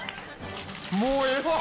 「もうええわ！」